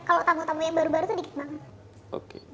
kalau tamu tamu yang baru baru itu dikit banget